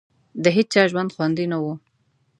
د هېچا ژوند خوندي نه وو.